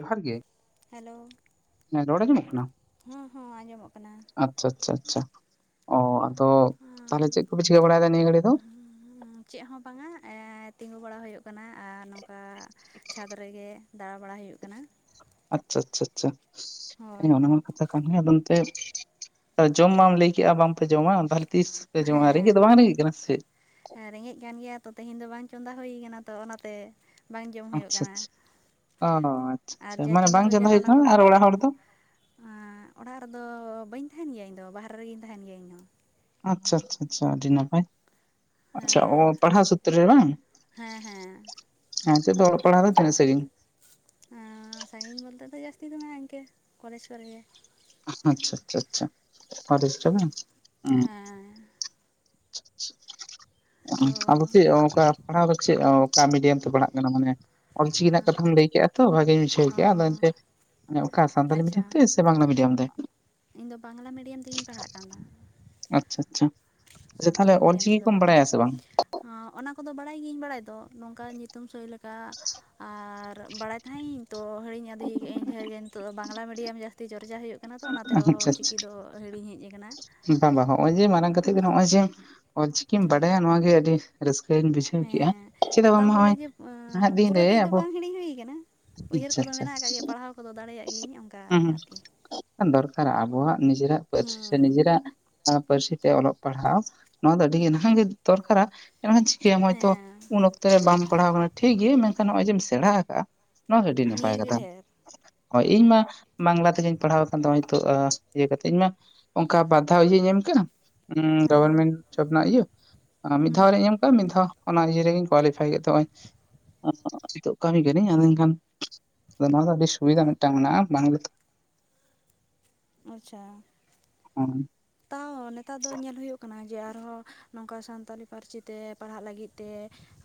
ᱡᱚᱦᱟᱨ ᱜᱮ ᱦᱮᱞᱳ ᱦᱮᱸ ᱨᱚᱲ ᱟᱡᱚᱢᱚᱜ ᱠᱟᱱᱟ ᱦᱚᱸ ᱦᱚᱸ ᱟᱸᱡᱚᱢᱚᱜ ᱠᱟᱱᱟ ᱟᱪᱪᱷᱟ ᱟᱪᱪᱷᱟ ᱟᱪᱪᱷᱟ ᱚ ᱟᱫᱚ ᱛᱟᱞᱮ ᱪᱮᱫ ᱠᱚ ᱯᱮ ᱪᱤᱠᱟᱹ ᱵᱟᱲᱟᱭ ᱫᱟ ᱱᱤᱭᱟᱹ ᱜᱷᱟᱹᱲᱤ ᱫᱚ ᱪᱮᱫ ᱦᱚᱸ ᱵᱟᱝᱟ ᱛᱤᱸᱜᱩ ᱵᱟᱲᱟ ᱦᱳᱭᱳᱜ ᱠᱟᱱᱟ ᱟᱨ ᱱᱚᱝᱠᱟ ᱪᱷᱟᱫᱽ ᱨᱮᱜᱮ ᱫᱟᱲᱟ ᱵᱟᱲᱟ ᱦᱩᱭᱩᱜ ᱠᱟᱱᱟ ᱟᱪᱪᱷᱟ ᱟᱪᱪᱷᱟ ᱟᱪᱪᱷᱟ ᱦᱳᱭ [unintelligible] ᱠᱟᱛᱷᱟ ᱠᱟᱱ ᱟᱫᱚ ᱱᱚᱛᱮ ᱡᱚᱢ ᱢᱟᱢ ᱞᱟᱹᱭ ᱠᱮᱭᱟ ᱵᱟᱢᱯᱮ ᱡᱚᱢᱟ ᱛᱟᱦᱮᱞᱮ ᱛᱤᱥ ᱯᱮ ᱡᱚᱢᱟ ᱨᱮᱸᱜᱮᱡ ᱫᱚ ᱵᱟᱝ ᱨᱮᱸᱜᱮᱡ ᱠᱟᱱᱟ ᱥᱮ ᱦᱮᱸ ᱨᱮᱸᱜᱮᱡ ᱠᱟᱱ ᱜᱮᱭᱟ ᱛᱚ ᱛᱮᱦᱮᱧ ᱫᱚ ᱵᱟᱝ ᱪᱚᱸᱫᱟ ᱦᱩᱭ ᱠᱟᱱᱟ ᱛᱚ ᱚᱱᱟᱛᱮ ᱵᱟᱝ ᱡᱚᱢ ᱦᱩᱭᱩᱜ ᱠᱟᱱᱟ ᱚᱻ ᱟᱪᱪᱷᱟ ᱟᱨ ᱟᱪᱪᱷᱟ ᱡᱟ ᱢᱟᱱᱮ ᱪᱚᱸᱫᱟ ᱵᱟᱝ ᱪᱟᱸᱫᱟ ᱞᱮᱱᱟ ᱦᱩᱭ ᱚᱱᱟ ᱠᱟᱱᱟ ᱠᱚᱫᱚ ᱟᱨ ᱚᱲᱟᱜ ᱦᱚᱲ ᱫᱚ ᱚᱲᱟᱜ ᱨᱮᱫᱚ ᱵᱟᱹᱧ ᱛᱟᱦᱮᱱ ᱜᱮᱭᱟ ᱤᱧᱫᱚ ᱵᱟᱦᱨᱮ ᱨᱮᱜᱮᱧ ᱛᱟᱦᱮᱱ ᱜᱮᱭᱟ ᱤᱧᱦᱚ ᱟᱪᱪᱷᱟ ᱟᱪᱪᱷᱟ ᱟᱪᱪᱷᱟ ᱟᱹᱰᱤ ᱱᱟᱯᱟᱭ ᱟᱪᱪᱷᱟ ᱚ ᱦᱮᱸ ᱯᱟᱲᱦᱟᱣ ᱥᱩᱛᱨᱚ ᱨᱮ ᱵᱟᱝ ᱦᱮᱸ ᱦᱮᱸ ᱦᱮᱸ ᱫᱚ ᱯᱟᱲᱦᱟᱣ ᱫᱚ ᱛᱤᱱᱟᱹᱜ ᱥᱟᱹᱜᱤᱧ ᱥᱟᱺᱜᱤᱧ ᱵᱚᱞᱛᱮ ᱫᱚ ᱡᱟᱹᱥᱛᱤ ᱫᱚ ᱤᱱᱠᱟᱹ ᱠᱚᱞᱮᱡᱽ ᱠᱚᱨᱮ ᱜᱮ ᱟᱪᱪᱷᱟ ᱟᱪᱪᱷᱟ ᱟᱪᱪᱷᱟ [unintelligible] ᱦᱮᱸ ᱛᱚ ᱟᱫᱚ ᱪᱮᱫ ᱚᱠᱟ ᱯᱟᱲᱦᱟᱣ ᱫᱚ ᱪᱮᱫ ᱚᱠᱟ ᱢᱤᱰᱤᱭᱟᱢ ᱛᱮ ᱯᱟᱲᱦᱟᱜ ᱠᱟᱱᱟ ᱢᱟᱱᱮ ᱚᱞ ᱪᱤᱠᱤ ᱨᱮᱱᱟᱜ ᱠᱟᱛᱷᱟᱢ ᱞᱟᱹᱭ ᱠᱮᱜᱼᱟ ᱛᱚ ᱵᱷᱟᱜᱮᱧ [unintelligible] ᱚ ᱜᱮᱭᱟ ᱟᱫᱚ ᱮᱱᱛᱮ ᱚᱠᱟ ᱥᱟᱱᱛᱟᱞᱤ ᱟᱪᱪᱷᱟ ᱢᱤᱰᱤᱭᱟᱢ ᱛᱮ ᱥᱮ ᱵᱟᱝᱞᱟ ᱢᱤᱰᱤᱭᱟᱢ ᱛᱮ ᱤᱧ ᱫᱚ ᱵᱟᱝᱞᱟ ᱢᱤᱰᱤᱭᱟᱢ ᱛᱮᱜᱮᱧ ᱯᱟᱲᱦᱟᱜ ᱠᱟᱱᱟ ᱟᱪᱪᱷᱟ ᱟᱪᱪᱷᱟ ᱟᱪᱪᱷᱟ ᱛᱟᱦᱚᱞᱮ ᱥᱟᱱᱛᱟᱞᱤ ᱢᱤᱰᱤᱭᱟᱢ ᱚᱞᱪᱤᱠᱤ ᱛᱮᱫᱚ ᱠᱚᱢ ᱵᱟᱲᱟᱭᱟ ᱥᱮ ᱵᱟᱝ ᱚᱱᱟ ᱠᱚᱫᱚ ᱵᱟᱲᱟᱭ ᱜᱤᱧ ᱵᱟᱲᱟᱭ ᱫᱚ ᱱᱚᱝᱠᱟ ᱧᱩᱛᱩᱢ ᱥᱳᱭ ᱞᱮᱠᱟ ᱟᱨ ᱵᱟᱲᱟᱭ ᱛᱚ ᱦᱟᱹᱲᱤᱧ ᱟᱹᱫᱷᱤ ᱠᱟᱜ ᱤᱧ ᱱᱤ ᱰᱷᱮᱨ ᱜᱮ ᱱᱤᱛᱚᱜ ᱫᱚ ᱵᱟᱝᱞᱟ ᱢᱰᱤᱭᱟᱢ ᱡᱟᱹᱥᱛᱤ ᱪᱚᱨᱪᱟ ᱦᱩᱭᱩᱜ ᱠᱟᱱᱟ ᱛᱚ ᱚᱱᱟᱛᱮ ᱟᱪᱪᱷᱟ ᱚᱞ ᱪᱤᱠᱤ ᱟᱪᱪᱷᱟ ᱫᱚ ᱦᱟᱹᱲᱤᱧ ᱦᱮᱡ ᱠᱟᱱᱟ ᱵᱟᱝ ᱵᱟᱝ ᱦᱚᱸᱜᱼᱚᱭ ᱡᱮ ᱢᱟᱨᱟᱝ ᱠᱟᱛᱷᱟ ᱦᱸᱚᱜᱼᱚᱭ ᱡᱮ ᱚᱞ ᱪᱤᱠᱤᱢ ᱵᱟᱰᱟᱭᱟ ᱱᱚᱣᱟ ᱜᱮ ᱟᱹᱰᱤ ᱨᱟᱹᱥᱠᱟᱹᱧ ᱵᱩᱡᱷᱟᱹᱣ ᱠᱮᱫᱮᱜᱼᱟ ᱦᱮᱸ ᱪᱮᱫᱟᱜ ᱛᱟ ᱵᱟᱝ ᱵᱚᱞᱮ ᱱᱚᱜᱼᱚᱭ ᱡᱮ ᱱᱟᱦᱟᱜ ᱫᱤᱱᱨᱮ ᱯᱩᱨᱟᱹᱴᱤᱡ ᱫᱚ ᱟᱵᱚ ᱵᱟᱝ ᱦᱤᱲᱤᱧ ᱦᱩᱭ ᱟᱠᱟᱱᱟ ᱩᱭᱦᱟᱹᱨ ᱟᱪᱪᱷᱟ ᱠᱚᱫᱚ ᱟᱪᱪᱷᱟ ᱢᱮᱱᱟᱜ ᱟᱠᱟᱫ ᱜᱮᱭᱟ ᱯᱟᱲᱦᱟᱣ ᱠᱚᱫᱚ ᱫᱟᱲᱮᱭᱟᱜ ᱜᱤᱭᱟᱹᱧ ᱚᱱᱠᱟ ᱦᱩᱸ ᱟᱨᱠᱤ ᱦᱩᱸ ᱫᱚᱨᱠᱟᱨ ᱟᱵᱚᱣᱟᱜ ᱱᱤᱡᱮᱨᱟᱜ ᱯᱟᱹᱨᱥᱤ ᱦᱮᱸ ᱪᱮᱫᱟᱜ ᱯᱟᱹᱨᱥᱤ ᱛᱮ ᱚᱞᱚᱜ ᱯᱟᱲᱦᱟᱣ ᱱᱚᱣᱟ ᱫᱚ ᱟᱹᱰᱤᱜ ᱱᱟᱦᱟᱜ ᱜᱮ ᱫᱚᱨᱠᱟᱨᱟ ᱮᱱᱠᱷᱟᱱ ᱪᱤᱠᱟᱹᱭᱟ ᱱᱚᱜᱼᱚᱭ ᱛᱚ ᱦᱮᱸ ᱩᱱ ᱚᱠᱛᱚ ᱨᱮ ᱵᱟᱢ ᱯᱟᱲᱦᱟᱣ ᱠᱟᱱᱟ ᱴᱷᱤᱠ ᱜᱮ ᱢᱮᱱᱠᱷᱟᱱ ᱱᱚᱜᱼᱚᱭ ᱡᱮᱢ ᱥᱮᱬᱟ ᱟᱠᱟᱜᱼᱟ ᱱᱚᱣᱟ ᱟᱹᱰᱤ ᱱᱟᱯᱟᱭ ᱱᱤᱭᱟᱹᱜᱮ ᱠᱟᱛᱷᱟ ᱰᱷᱮᱨ ᱦᱳᱭ ᱤᱧᱢᱟ ᱵᱟᱝᱞᱟ ᱛᱮᱜᱮᱧ ᱯᱟᱲᱦᱟᱣ ᱟᱠᱟᱱ ᱫᱚ ᱱᱤᱛᱚᱜ ᱤᱭᱟᱹ ᱠᱟᱛᱮ ᱤᱧ ᱢᱟ ᱚᱱᱠᱟ ᱵᱟᱫᱷᱟ ᱤᱭᱟᱹ ᱮᱢ ᱠᱟᱱᱟ ᱦᱮᱸ ᱜᱚᱵᱷᱚᱨᱢᱮᱱᱴ ᱡᱚᱵ ᱨᱮᱱᱟᱜ ᱤᱭᱟᱹ ᱢᱤᱫ ᱫᱷᱟᱣ ᱦᱩᱸ ᱨᱤᱧ ᱮᱢ ᱠᱟᱜᱼᱟ ᱢᱤᱫ ᱫᱷᱟᱣ ᱚᱱᱟ ᱤᱭᱟᱹ ᱨᱮᱜᱮᱧ ᱠᱳᱣᱟᱞᱤᱯᱷᱟᱭ ᱠᱮᱫ ᱛᱮᱜᱚᱭ ᱱᱤᱛᱚᱜ ᱠᱟᱹᱢᱤ ᱠᱟᱹᱱᱟᱹᱧ ᱟᱫᱚ ᱮᱠᱷᱟᱱ ᱟᱫᱚ ᱱᱚᱣᱟ ᱫᱚ ᱟᱹᱰᱤ ᱥᱩᱵᱤᱫᱷᱟ ᱢᱤᱫᱴᱟᱝ ᱢᱮᱱᱟᱜᱼᱟ ᱵᱟᱝᱞᱟ ᱟᱪᱪᱷᱟ ᱦᱚᱸ ᱛᱟᱣ ᱱᱮᱛᱟᱨ ᱫᱚ ᱧᱮᱞ ᱦᱩᱭᱩᱜ ᱠᱟᱱᱟ ᱡᱮ ᱟᱨᱦᱚᱸ ᱱᱚᱝᱠᱟ ᱥᱟᱱᱛᱟᱞᱤ ᱯᱟᱹᱨᱥᱤ ᱛᱮ ᱯᱟᱲᱦᱟᱜ ᱞᱟᱹᱜᱤᱫ ᱛᱮ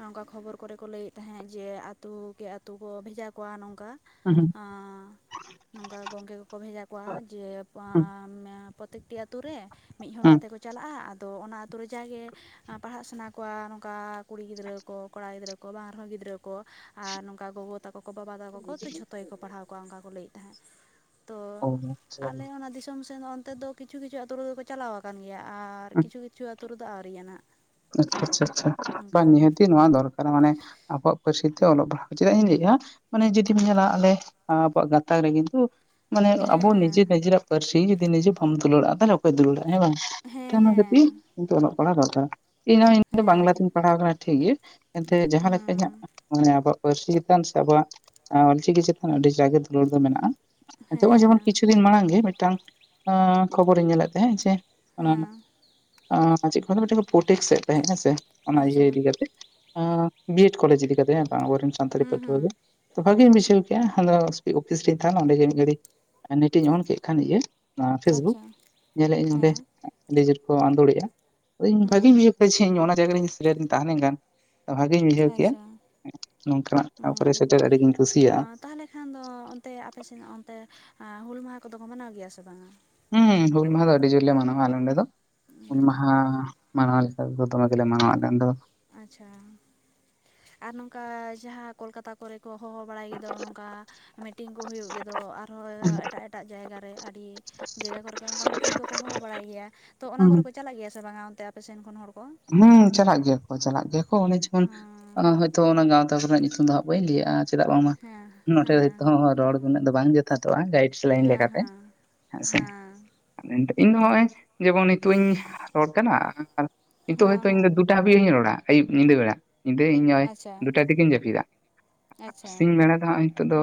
ᱱᱚᱝᱠᱟ ᱠᱷᱚᱵᱚᱨ ᱠᱚᱨᱮ ᱠᱚ ᱞᱟᱹᱭ ᱛᱟᱦᱮᱸᱫ ᱡᱮ ᱟᱛᱳ ᱠᱮ ᱟᱛᱳ ᱠᱚ ᱵᱷᱮᱡᱟ ᱠᱚᱣᱟ ᱱᱚᱝᱠᱟ ᱦᱩᱸ ᱦᱩᱸ ᱟᱸ ᱱᱚᱝᱠᱟ ᱜᱚᱢᱠᱮ ᱠᱚᱠᱚ ᱵᱷᱮᱡᱟ ᱠᱚᱣᱟ ᱡᱮ ᱦᱩᱸ ᱯᱨᱚᱛᱮᱠᱴᱤ ᱟᱛᱳ ᱟᱛᱳ ᱨᱮ ᱢᱤᱫ ᱦᱚᱲ ᱦᱩᱸ ᱠᱟᱛᱮ ᱠᱚ ᱪᱟᱞᱟᱜᱼᱟ ᱟᱫᱚ ᱚᱱᱟ ᱟᱛᱳ ᱨᱮ ᱡᱟᱜᱮ ᱯᱟᱲᱦᱟᱜ ᱥᱟᱱᱟ ᱠᱚᱣᱟ ᱱᱚᱝᱠᱟ ᱠᱩᱲᱤ ᱜᱤᱫᱽᱨᱟᱹ ᱠᱚ ᱠᱚᱲᱟ ᱜᱤᱫᱽᱨᱟᱹ ᱠᱚ ᱵᱟᱝ ᱨᱮᱦᱚᱸ ᱜᱤᱫᱽᱨᱟᱹ ᱠᱚ ᱟᱨ ᱱᱚᱝᱠᱟ ᱜᱚᱜᱚ ᱛᱟᱠᱚ ᱠᱚ ᱵᱟᱵᱟ ᱛᱟᱠᱚ ᱠᱚ ᱛᱚ ᱡᱷᱚᱛᱚ ᱜᱮᱠᱚ ᱯᱟᱲᱦᱟᱣ ᱠᱚᱣᱟ ᱚᱱᱠᱟ ᱠᱚ ᱞᱟᱹᱭᱮᱫ ᱛᱟᱦᱮᱸᱫ ᱛᱚ ᱚ ᱟᱞᱮ ᱚᱱᱟ ᱫᱤᱥᱚᱢ ᱥᱮᱱ ᱚᱱᱛᱮ ᱫᱚ ᱠᱤᱪᱷᱩ ᱠᱤᱪᱷᱩ ᱟᱛᱳ ᱨᱮ ᱫᱚᱠᱚ ᱪᱟᱞᱟᱣ ᱟᱠᱟᱱᱟ ᱠᱟᱱ ᱜᱮᱭᱟ ᱟᱨ ᱠᱤᱪᱷᱩ ᱠᱤᱪᱷᱩ ᱟᱹᱛᱩ ᱨᱮᱫᱚ ᱟᱹᱣᱨᱤᱭᱟᱦᱟᱸᱜ ᱟᱪᱪᱷᱟ ᱟᱪᱪᱷᱟ ᱟᱪᱪᱷᱟ ᱵᱟᱝ ᱱᱤᱦᱟᱹᱛᱤ ᱱᱚᱣᱟ ᱫᱚᱨᱠᱟᱨ ᱢᱟᱱᱮ ᱟᱵᱚᱣᱟᱜ ᱯᱟᱹᱨᱥᱤ ᱛᱮ ᱚᱞᱚᱜ ᱯᱟᱲᱦᱟᱣ ᱪᱮᱫᱟᱜ ᱤᱧ ᱞᱟᱹᱭᱮᱫᱼᱟ ᱢᱟᱱᱮ ᱡᱩᱫᱤᱢ ᱧᱮᱞᱟ ᱟᱞᱮ ᱟᱵᱚᱣᱟᱜ ᱜᱟᱛᱟᱠ ᱨᱮ ᱠᱤᱱᱛᱩ ᱢᱟᱱᱮ ᱟᱵᱚ ᱦᱮᱸ ᱱᱤᱡᱮ ᱦᱮᱸ ᱱᱤᱡᱮᱨᱟᱜ ᱯᱟᱹᱨᱥᱤ ᱡᱩᱫᱤ ᱱᱤᱡᱮ ᱵᱟᱢ ᱛᱩᱞᱟᱹᱼᱟ ᱛᱟᱦᱚᱞᱮ ᱚᱠᱚᱭ ᱫᱩᱞᱟᱹᱲᱟᱜᱼᱟ ᱦᱮᱸ ᱵᱟᱝ ᱛᱚ ᱦᱮᱸ ᱚᱱᱟ ᱦᱮᱸ ᱠᱷᱟᱹᱛᱤᱨ ᱠᱤᱱᱛᱩ ᱚᱞᱚᱜ ᱯᱟᱲᱦᱟᱜ ᱫᱚᱨᱠᱟᱨ ᱤᱧᱦᱚᱸ ᱤᱧ ᱫᱚ ᱵᱟᱝᱞᱟ ᱦᱮᱸ ᱛᱤᱧ ᱯᱟᱲᱦᱟᱣ ᱟᱠᱟᱱᱟ ᱴᱷᱤᱠ ᱜᱮᱭᱟ ᱮᱱᱛᱮ ᱡᱟᱦᱟᱸ ᱞᱮᱠᱟ ᱤᱧᱟᱹᱜ ᱦᱮᱸ ᱢᱟᱱᱮ ᱟᱵᱚᱣᱟᱜ ᱯᱟᱹᱨᱥᱤ ᱪᱮᱛᱟᱱ ᱥᱮ ᱟᱵᱚᱣᱟᱜ ᱚᱞ ᱪᱤᱠᱤ ᱪᱮᱛᱟᱱ ᱟᱹᱰᱤ ᱡᱟᱜᱚᱛ ᱨᱚᱲ ᱫᱚ ᱢᱮᱱᱟᱜᱼᱟ ᱱᱤᱛᱚᱜ ᱡᱮᱢᱚᱱ ᱦᱮᱸ ᱠᱤᱪᱷᱩ ᱫᱤᱱ ᱢᱟᱲᱟᱝ ᱜᱮ ᱢᱤᱫᱴᱟᱝ ᱟᱸ ᱠᱷᱚᱵᱚᱨᱤᱧ ᱧᱮᱞᱮᱫ ᱛᱟᱦᱮᱸᱜ ᱡᱮ ᱚᱱᱟ ᱦᱮᱸ ᱪᱮᱫ ᱠᱷᱱᱟᱜ ᱫᱚ ᱢᱤᱫᱴᱟᱝ ᱯᱚ ᱴᱮᱠᱥ ᱮᱫ ᱛᱟᱦᱮᱸᱫ ᱦᱮᱸᱥᱮ ᱚᱱᱟ ᱟᱪᱪᱷᱟ ᱤᱭᱟᱹ ᱤᱫᱤᱠᱟ ᱠᱟᱛᱮ ᱵᱤᱭᱮᱰ ᱠᱚᱞᱮᱡᱽ ᱤᱫᱤᱠᱟ ᱠᱟᱛᱮᱜ ᱚᱵᱚᱨᱮᱱ ᱥᱟᱱᱛᱟᱲᱤ ᱦᱩᱸ ᱯᱟᱹᱴᱷᱶᱟᱹ ᱦᱩᱸ ᱜᱮ ᱛᱚ ᱵᱷᱟᱜᱮᱧ ᱵᱩᱡᱷᱟᱹᱣ ᱠᱮᱫᱼᱟ ᱟᱫᱚ ᱚᱯᱷᱤᱥ ᱨᱤᱧ ᱛᱟᱦᱮᱱᱟ ᱚᱸᱰᱮ ᱜᱮ ᱢᱤᱫ ᱜᱷᱟᱹᱲᱤ ᱱᱮᱴᱤᱧ ᱚᱱ ᱠᱮᱫ ᱠᱷᱟᱱ ᱜᱮ ᱚᱱᱟ ᱯᱷᱮᱥᱵᱩᱠ ᱟᱪᱪᱷᱟ ᱧᱮᱞᱮᱫ ᱚᱸᱰᱮ ᱦᱮᱸ ᱟᱰᱤᱡᱚᱨ ᱠᱚ ᱟᱸᱫᱳᱲ ᱮᱫᱟ ᱵᱷᱟᱜᱤ ᱦᱩᱸ ᱵᱩᱡᱷᱟᱹᱣ ᱠᱮᱫᱟ ᱡᱮ ᱤᱧ ᱚᱱᱟ ᱡᱟᱭᱜᱟ ᱨᱮᱧ ᱥᱮᱨᱮᱤᱧ ᱛᱟᱦᱮᱸ ᱞᱮᱱ ᱠᱷᱟᱱ ᱵᱷᱟᱜᱤᱧ ᱵᱩᱡᱷᱟᱹᱣ ᱠᱮᱜᱼᱟ ᱟᱪᱪᱷᱟ ᱱᱚᱝᱠᱟᱱᱟᱜ ᱴᱷᱟᱶ ᱠᱚᱨᱮ ᱦᱩᱸ ᱥᱮᱴᱮᱨᱚᱜ ᱟᱹᱰᱤ ᱜᱤᱧ ᱠᱩᱥᱤᱭᱟᱜᱼᱟ ᱛᱟᱦᱚᱞᱮ ᱠᱷᱟᱱ ᱫᱚ ᱚᱱᱛᱮ ᱟᱯᱮ ᱥᱮᱫ ᱚᱱᱛᱮ ᱦᱩᱞ ᱢᱟᱦᱟ ᱠᱚᱫᱚ ᱠᱚ ᱢᱟᱱᱟᱣ ᱜᱮᱭᱟ ᱥᱮ ᱵᱟᱝᱟ ᱦᱩᱸ ᱦᱩᱞ ᱢᱟᱦᱟ ᱫᱚ ᱟᱸᱰᱤ ᱡᱩᱨᱞᱤ ᱢᱟᱱᱟᱶᱠ ᱟᱞᱮᱱᱚᱰᱮ ᱫᱚ ᱦᱩᱞ ᱢᱟᱦᱟ ᱢᱟᱱᱟᱞᱮᱠᱟ ᱛᱮᱫᱚ ᱫᱚᱢᱮ ᱜᱮᱞᱮ ᱢᱟᱱᱟᱶᱟ ᱟᱞᱮ ᱱᱚᱰᱮ ᱫᱚ ᱟᱪᱪᱷᱟ ᱟᱨ ᱱᱚᱝᱠᱟ ᱡᱟᱦᱟᱸ ᱠᱳᱞᱠᱟᱛᱟ ᱠᱚᱨᱮ ᱠᱚ ᱦᱚᱦᱚ ᱵᱟᱲᱟᱭ ᱜᱮᱫᱚ ᱱᱚᱝᱠᱟ ᱟᱸ ᱢᱤᱴᱤᱝ ᱠᱚ ᱦᱩᱭᱩᱜ ᱜᱮᱫᱚ ᱟᱨᱦᱚᱸ ᱮᱴᱟᱜ ᱮᱴᱟᱜ ᱡᱟᱭᱜᱟ ᱨᱮ ᱟᱹᱰᱤ ᱡᱟᱭᱜᱟ ᱠᱚᱨᱮᱜᱮ ᱚᱱᱠᱟ ᱢᱤᱴᱤᱝ ᱠᱚᱠᱚ ᱦᱚᱦᱚ ᱵᱟᱲᱟᱭ ᱜᱮᱭᱟ ᱛᱚ ᱚᱱᱟ ᱠᱚᱨᱮ ᱠᱚ ᱪᱟᱞᱟᱜ ᱜᱮᱭᱟ ᱥᱮ ᱵᱟᱝᱟ ᱚᱱᱛᱮ ᱟᱯᱮ ᱥᱮᱱ ᱠᱷᱚᱱ ᱦᱚᱲ ᱠᱚ ᱦᱩᱸ ᱪᱟᱞᱟᱜ ᱜᱮᱭᱟ ᱠᱚ ᱪᱟᱞᱟᱜ ᱜᱮᱭᱟ ᱠᱚ ᱚᱱᱮ ᱡᱮᱢᱚᱱ ᱦᱮᱸ ᱦᱚᱳᱭᱛᱚ ᱚᱱᱟ ᱜᱟᱶᱛᱟ ᱚᱛᱱᱟᱜ ᱧᱩᱛᱩᱢ ᱫᱚ ᱦᱟᱸᱜ ᱵᱟᱹᱧ ᱞᱟᱹᱭᱮᱟᱜᱼᱟ ᱪᱮᱫᱟᱜ ᱵᱟᱝᱢᱟ ᱦᱮᱸ ᱱᱚᱸᱰᱮ ᱫᱚ ᱦᱮᱸ ᱱᱤᱛᱚᱜ ᱨᱚᱲ ᱩᱱᱟᱹᱜ ᱫᱚ ᱵᱟᱝ ᱡᱚᱛᱷᱟᱛᱚᱜᱼᱟ ᱜᱟᱭᱤᱰ ᱞᱟᱭᱤᱱ ᱦᱮᱸ ᱞᱮᱠᱟᱛᱮ ᱦᱮᱸ ᱦᱮᱸ ᱥᱮ ᱢᱮᱱ ᱤᱧ ᱫᱚ ᱱᱚᱜᱼᱚᱭ ᱡᱮᱢᱚᱱ ᱱᱤᱛᱚᱜ ᱤᱧ ᱨᱚᱲ ᱠᱟᱱᱟ ᱟᱨ ᱱᱤᱛᱚᱜ ᱦᱮᱸ ᱦᱚᱭᱛᱳ ᱤᱧ ᱦᱮᱸ ᱫᱚ ᱫᱩᱲᱩᱵ ᱫᱟᱴᱟ ᱦᱟᱵᱤᱡ ᱤᱧᱨᱚᱲ ᱟ ᱟᱭᱩᱵ ᱧᱤᱫᱠ ᱵᱮᱨᱟ ᱧᱤᱫᱟᱹ ᱤᱧ ᱱᱚᱜᱚᱭ ᱟᱪᱪᱷᱟ ᱫᱩᱴᱟ ᱛᱤᱜᱮᱧ ᱡᱟᱹᱯᱤᱫᱟ ᱟᱨ ᱟᱪᱪᱷᱟ ᱥᱤᱧ ᱵᱮᱲᱟ ᱫᱚ [unintelligible] ᱦᱟᱸᱜ ᱦᱤᱸᱛᱳᱜ ᱫᱚ